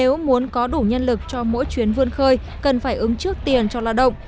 nếu muốn có đủ nhân lực cho mỗi chuyến vươn khơi cần phải ứng trước tiền cho lao động